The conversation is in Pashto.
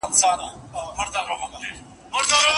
پر څنگه بلا واوښتې جاناناه سرگردانه